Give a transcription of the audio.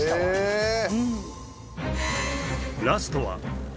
へえ